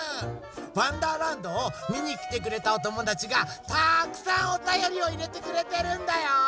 「わんだーらんど」をみにきてくれたおともだちがたくさんおたよりをいれてくれてるんだよ！